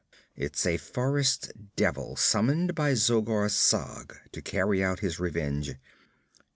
It's a forest devil summoned by Zogar Sag to carry out his revenge.